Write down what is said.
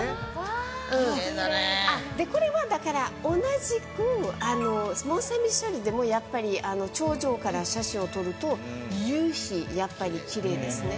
これはだから同じくモンサンミッシェルでもやっぱり頂上から写真を撮ると夕日やっぱりきれいですね。